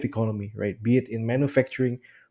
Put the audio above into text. baik itu dalam pembuatan